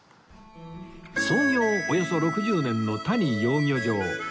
創業およそ６０年の谷養魚場